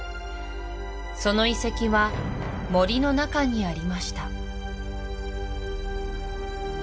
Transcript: その遺跡は森の中にありました